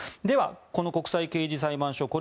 ではこの国際刑事裁判所